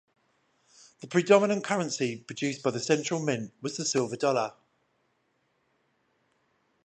The predominant currency produced by the Central Mint was the silver dollar.